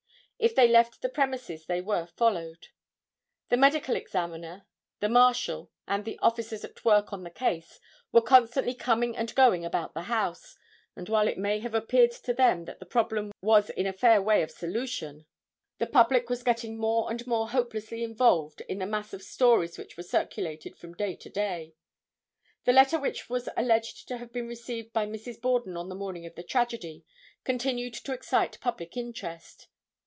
If they left the premises they were followed. The Medical Examiner, the Marshal and the officers at work on the case were constantly coming and going about the house, and while it may have appeared to them that the problem was in a fair way of solution, the public was getting more and more hopelessly involved in the mass of stories which were circulated from day to day. [Illustration: MEDICAL EXAMINER DR. W. A. DOLAN.] The letter which was alleged to have been received by Mrs. Borden on the morning of the tragedy, continued to excite public interest.